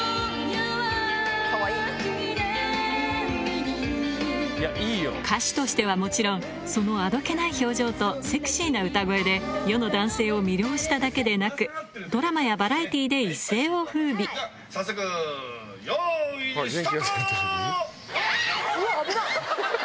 こんやは記念日に歌手としてはもちろんそのあどけない表情とセクシーな歌声で世の男性を魅了しただけでなくドラマやバラエティーで一世を風靡早速よいスタート！